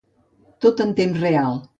Tot en temps real.